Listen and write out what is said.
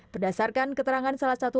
berdasarkan keterangan salah satu